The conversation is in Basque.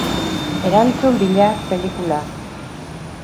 Erantzun bila, pelikula.